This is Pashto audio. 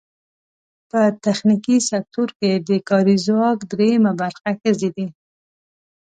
په تخنیکي سکټور کې د کاري ځواک درېیمه برخه ښځې دي.